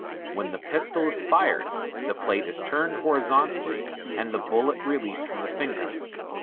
When the pistol is fired, the plate is turned hori zontally, and the bullet released from the fingers.